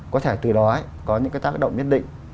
có thể từ đó có những cái tác động nhất định